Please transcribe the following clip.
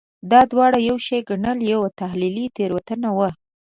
دا دواړه یو شی ګڼل یوه تحلیلي تېروتنه وه.